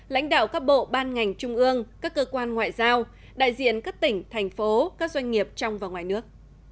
lãnh đạo các bộ ban ngành trung ương các cơ quan ngoại giao đại diện các tỉnh thành phố các doanh nghiệp trong và ngoài nước